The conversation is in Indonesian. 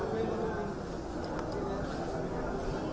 bu tema bajunya apa ibu